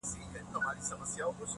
فکرونه ورو ورو پراخېږي ډېر,